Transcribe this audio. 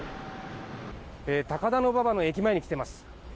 高田馬場の駅前に来ています。